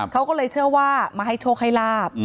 เขาก็เลยเชื่อว่ามาให้โชคให้ลาบ